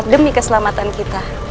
demi keselamatan kita